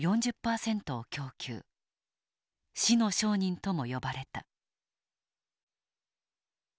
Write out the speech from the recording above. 死の商人とも呼ばれた。